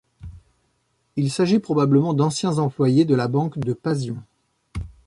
Il s'agit probablement d'anciens employés de la banque de Pasion.